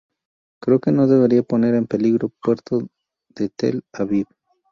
Creo que no debería poner en peligro puerto de Tel Aviv.